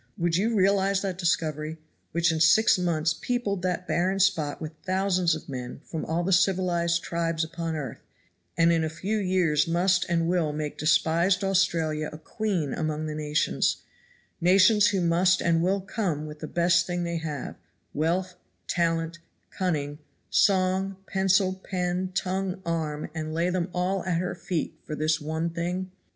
Would you realize that discovery, which in six months peopled that barren spot with thousands of men from all the civilized tribes upon earth, and in a few years must and will make despised Australia a queen among the nations nations who must and will come with the best thing they have, wealth, talent, cunning, song, pencil, pen, tongue, arm, and lay them all at her feet for this one thing?